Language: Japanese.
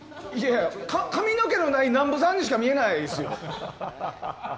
髪の毛のない南部さんにしか見えないですよ。